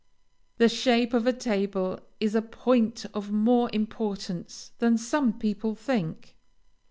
The shape of a table is a point of more importance than some people think.